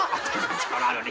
力あるね。